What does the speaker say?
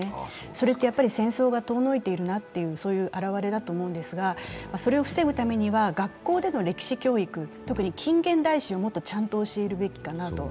それって戦争が遠のいているあらわれだと思うんですがそれを防ぐためには学校での歴史教育、特に近現代史をちゃんと教えるべきだなと。